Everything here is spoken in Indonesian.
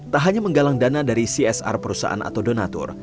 tak hanya menggalang dana dari csr perusahaan atau donatur